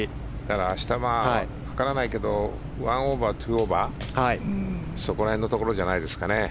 明日、分からないけど１オーバー２オーバーそこら辺のところじゃないですかね。